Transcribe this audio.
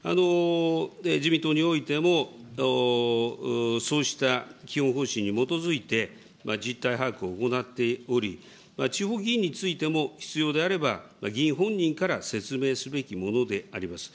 自民党においても、そうした基本方針に基づいて実態把握を行っており、地方議員についても、必要であれば議員本人から説明すべきものであります。